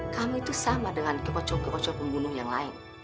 kamu itu sama dengan kebocor kebocor pembunuh yang lain